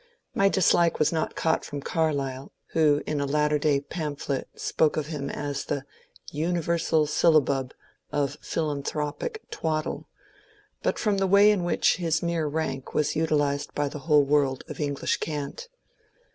My dislike was not caught from Carlyle, who in a Latter Day Pamphlet spoke of him as the *' universal syllabub of philanthropic twaddle," bnt from the way in which his mere rank was utilized by the whole world of English cant.